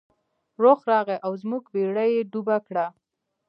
رخ راغی او زموږ بیړۍ یې ډوبه کړه.